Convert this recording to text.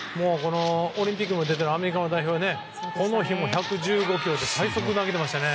オリンピックにも出ているアメリカの代表でこの日も１５６キロで最速投げてましたね。